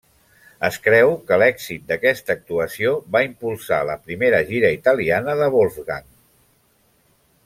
Es creu que l'èxit d'aquesta actuació va impulsar la primera gira italiana de Wolfgang.